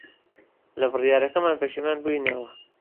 لە بڕیارەکەمان پەشیمان بووینەوە.